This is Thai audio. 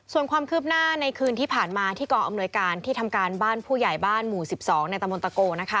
ส่วนความคืบหน้าในคืนที่ผ่านมาที่กองอำนวยการที่ทำการบ้านผู้ใหญ่บ้านหมู่๑๒ในตะมนตะโกนะคะ